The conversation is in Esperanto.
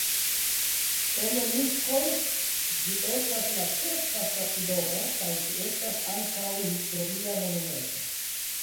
En Miskolc ĝi estas la ĉefa stacidomo kaj ĝi estas ankaŭ historia monumento.